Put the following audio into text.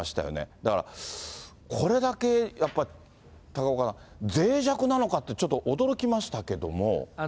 だから、これだけやっぱり、高岡さん、ぜい弱なのかって、ちょっと驚きましたけれども。